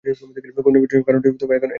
খুনের পেছনে কারণটি এখনও অনুমান সাপেক্ষ।